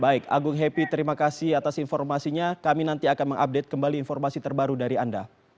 baik agung happy terima kasih atas informasinya kami nanti akan mengupdate kembali informasi terbaru dari anda